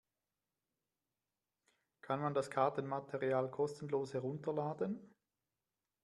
Kann man das Kartenmaterial kostenlos herunterladen?